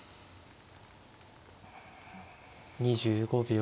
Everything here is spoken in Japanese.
２５秒。